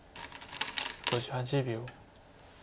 ５８秒。